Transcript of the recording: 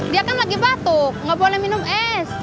dia kan lagi batuk nggak boleh minum es